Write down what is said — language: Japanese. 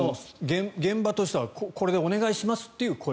現場としてはこれでお願いしますという声。